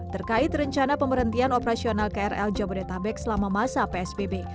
terkait rencana pemberhentian operasional krl jabodetabek selama masa psbb